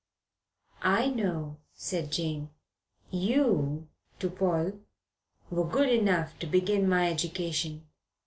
"I know," said Jane. "You" to Paul "were good enough to begin my education.